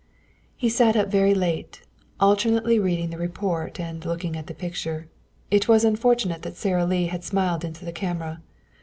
He sat up very late, alternately reading the report and looking at the picture. It was unfortunate that Sara Lee had smiled into the camera.